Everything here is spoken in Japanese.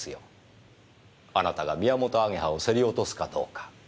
あなたがミヤモトアゲハを競り落とすかどうか。